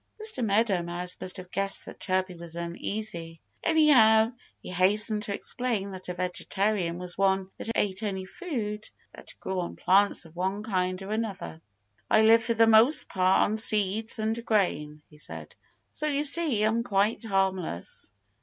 Mr. Meadow Mouse must have guessed that Chirpy was uneasy. Anyhow, he hastened to explain that a vegetarian was one that ate only food that grew on plants of one kind or another. "I live for the most part on seeds and grain," he said. "So you see I'm quite harmless."